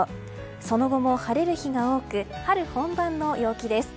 その後も晴れる日が多く春本番の陽気です。